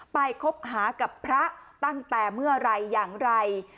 คบหากับพระตั้งแต่เมื่อไหร่อย่างไร